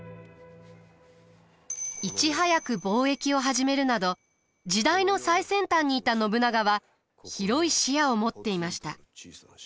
いち早く貿易を始めるなど時代の最先端にいた信長は広い視野を持っていました。